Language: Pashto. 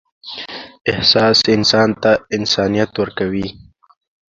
احساس انسان ته انسانیت ورکوي.